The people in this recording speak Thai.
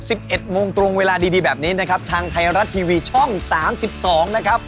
เอ็ดโมงตรงเวลาดีดีแบบนี้นะครับทางไทยรัฐทีวีช่องสามสิบสองนะครับ